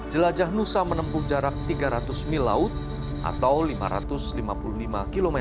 jelajah nusa menempuh jarak tiga ratus mil laut atau lima ratus lima puluh lima km